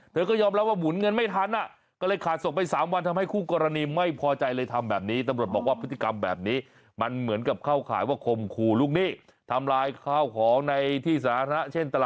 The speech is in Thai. เธอก็ยอมรับว่าหมุนเงินไม่ทัน